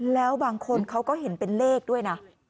แล้วบางคนเขาก็เห็นเป็นเลขด้วยนะ